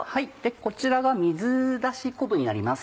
こちらが水出し昆布になります。